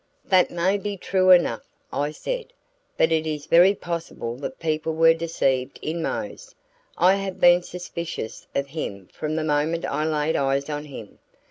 "That may all be true enough," I said, "but it is very possible that people were deceived in Mose. I have been suspicious of him from the moment I laid eyes on him.